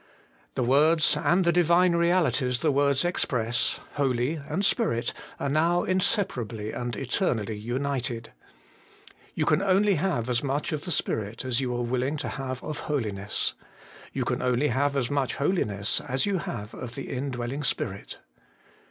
The words, and the Divine realities the words express, Holy and Spirit, are now inseparably and eternally united. You can only have as much of the Spirit as you are willing to have of holiness. You can only have as much holiness as you have of the indwelling Spirit.